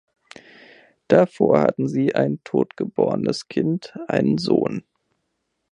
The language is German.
Davor hatten sie ein totgeborenes Kind, einen Sohn.